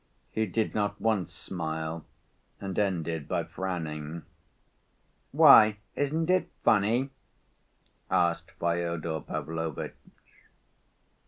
He did not once smile, and ended by frowning. "Why? Isn't it funny?" asked Fyodor Pavlovitch.